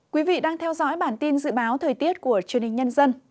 quý vị đang theo dõi bản tin dự báo thời tiết của truyền hình nhân dân